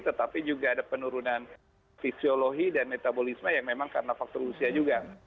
tetapi juga ada penurunan fisiologi dan metabolisme yang memang karena faktor usia juga